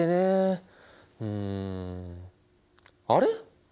うんあれ？